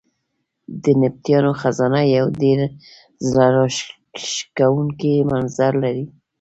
د نبطیانو خزانه یو ډېر زړه راښکونکی منظر لري.